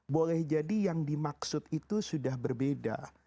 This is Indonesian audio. boleh jadi yang dimaksud itu sudah berbeda